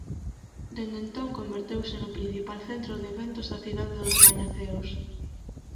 Dende entón converteuse no principal centro de eventos da cidade dos rañaceos.